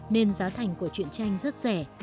nên giá thành của truyện tranh rất rẻ